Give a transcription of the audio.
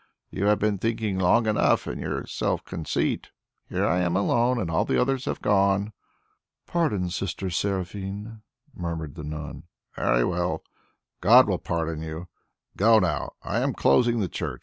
You have been thinking long enough in your self conceit, 'Here I am alone, and all the others have gone.'" "Pardon, Sister Seraphine," murmured the nun. "Very well! God will pardon you. Go now, I am closing the church.